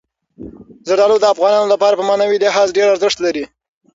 زردالو د افغانانو لپاره په معنوي لحاظ ډېر ارزښت لري.